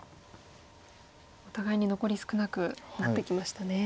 お互いに残り少なくなってきましたね。